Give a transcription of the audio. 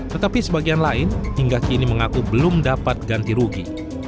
tetapi sebagian lain hingga kini mengaku belum dapat ganti rugi